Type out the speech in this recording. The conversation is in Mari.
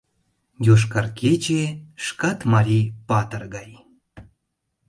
«Йошкар кече» шкат марий патыр гай.